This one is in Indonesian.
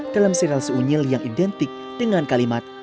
dalam sirel seunyil yang identik dengan kalimat